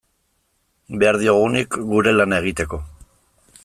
Behar diogunik gure lana egiteko.